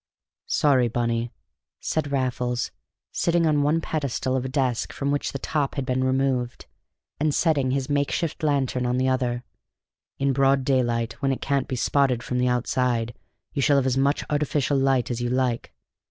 "Sorry, Bunny!" said Raffles, sitting on one pedestal of a desk from which the top had been removed, and setting his makeshift lantern on the other. "In broad daylight, when it can't be spotted from the outside, you shall have as much artificial light as you like.